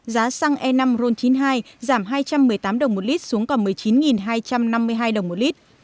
giá xăng e năm ron chín mươi hai giảm hai trăm một mươi tám đồng một lit xuống còn một mươi chín hai trăm năm mươi hai đồng một lít